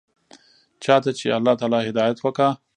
چا ته چې الله تعالى هدايت وکا.